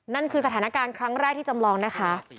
นั่นคือสถานการณ์ครั้งแรกที่จำลองนะคะ